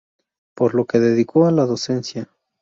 Por lo que dedicó a la docencia.